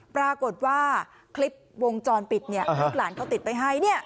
ปรากฏว่าคลิปวงจรปิดลูกหลานเขาติดไปให้